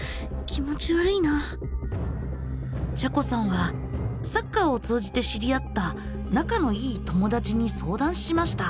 ちゃこさんはサッカーを通じて知り合った仲のいい友だちに相談しました。